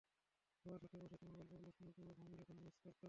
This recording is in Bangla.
সবার সাথে বসে, তোমার গল্পগুলো শোনা, তোমার ভ্রম দেখা মিস করতাম।